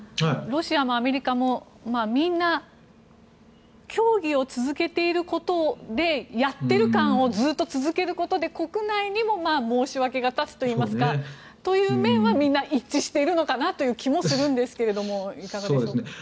ロシアもアメリカもみんな協議を続けていることでやっている感をずっと続けることで国内にも申し訳が立つというかという面はみんな一致しているのかなという気もするんですがいかがでしょうか。